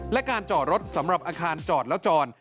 และการจอดรถสำหรับอาคารจอดแล้วจอด